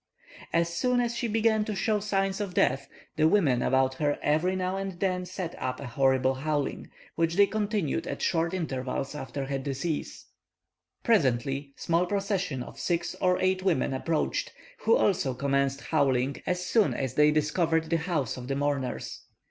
As soon as she began to show signs of death, the women about her every now and then set up a horrible howling, which they continued at short intervals after her decease. Presently, small processions of six or eight women approached, who also commenced howling as soon as they discovered the house of the mourners.